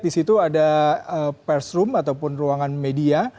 di situ ada press room ataupun ruangan media